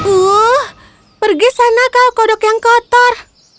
uh pergi sana kau kodok yang kotor